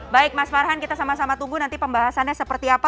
baik mas farhan kita sama sama tunggu nanti pembahasannya seperti apa